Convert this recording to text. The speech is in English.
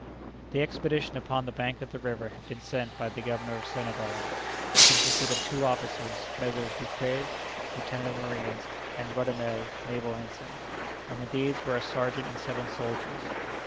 The expedition upon the bank of the river had been sent by the governor of Senegal. It consisted of two officers, Messrs. Dufraisse, lieutenant of marines, and Rodamel, naval ensign, and with these were a sergeant and seven soldiers.